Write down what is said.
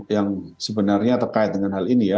yang sebenarnya terkait dengan hal ini ya